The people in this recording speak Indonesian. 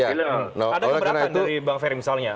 ada keberatan dari bang ferry misalnya